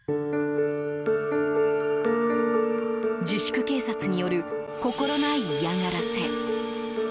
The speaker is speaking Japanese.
自粛警察による心ない嫌がらせ。